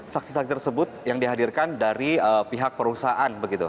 saksi saksi tersebut yang dihadirkan dari pihak perusahaan